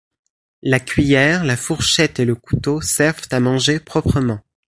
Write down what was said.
La cuillère, la fourchette et le couteau servent à manger proprement.